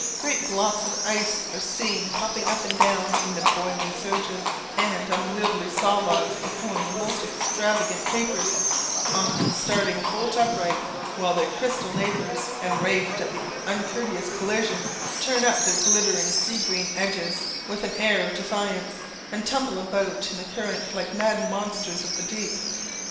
Great blocks of ice are seen popping up and down in the boiling surges; and unwieldy saw logs perform the most extravagant capers, often starting bolt upright; while their crystal neighbours, enraged at the uncourteous collision, turn up their glittering sea green edges with an air of defiance, and tumble about in the current like mad monsters of the deep.